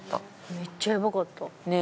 めっちゃヤバかった。ねぇ。